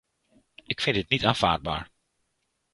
Ik vind dit niet aanvaardbaar.